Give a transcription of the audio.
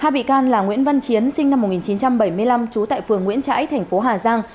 hai bị can là nguyễn văn chiến sinh năm một nghìn chín trăm bảy mươi năm trú tại phường nguyễn trãi thành phố hà giang